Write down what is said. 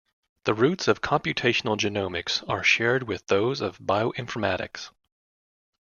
The roots of computational genomics are shared with those of bioinformatics.